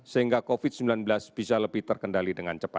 sehingga covid sembilan belas bisa lebih terkendali dengan cepat